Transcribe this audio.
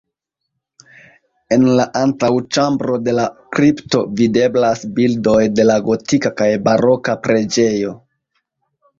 En la antaŭĉambro de la kripto videblas bildoj de la gotika kaj baroka preĝejo.